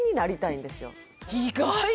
意外！